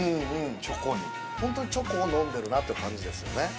チョコにホントにチョコを飲んでるなって感じですよね